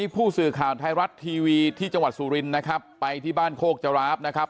ผู้สื่อข่าวไทยรัฐทีวีที่จังหวัดสุรินทร์นะครับไปที่บ้านโคกจราฟนะครับ